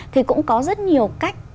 thì cũng có rất nhiều cách